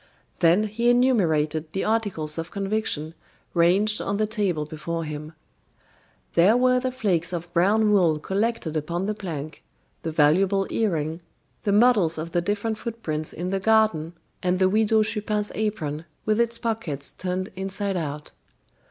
Then he enumerated the articles of conviction ranged on the table before him. There were the flakes of brown wool collected upon the plank, the valuable earring, the models of the different footprints in the garden, and the Widow Chupin's apron with its pockets turned inside out.